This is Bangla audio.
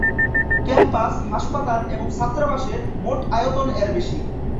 ক্যাম্পাস, হাসপাতাল এবং ছাত্রাবাসের মোট আয়তন -এর বেশি।